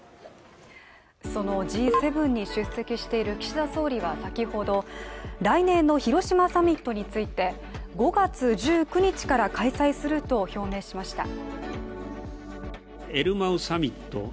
そのＧ７に出席している岸田総理は先ほど来年の広島サミットについて５月１９日から開催すると表明しました。